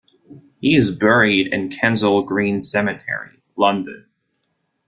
He is buried in Kensal Green Cemetery, London.